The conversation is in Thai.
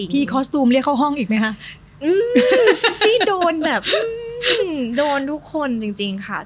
ผู้ชูดรักเลียนเข้าห้องอีกมั้ยคะ